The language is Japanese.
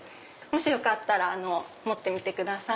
よかったら持ってみてください。